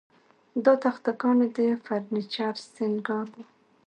دا تخته ګانې د فرنیچر سینګار و